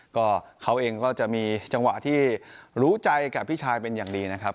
ก็เขาเองก็จะมีจังหวะที่รู้ใจกับพี่ชายเป็นอย่างดีนะครับ